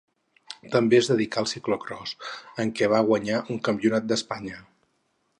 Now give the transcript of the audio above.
També es dedicà al ciclocròs, en què va guanyar un Campionat d'Espanya.